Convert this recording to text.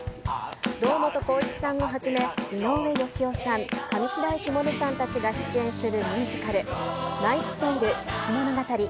堂本光一さんをはじめ、井上芳雄さん、上白石萌音さんたちが出演するミュージカル、ナイツ・テイル騎士物語。